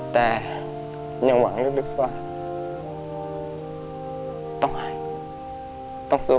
แต่ยังหวังลึกว่าต้องหายต้องสู้